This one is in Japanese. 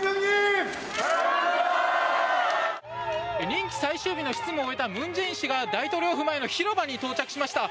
任期最終日の執務を終えた文在寅氏が大統領府前の広場に到着しました。